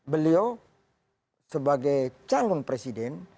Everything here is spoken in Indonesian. beliau sebagai calon presiden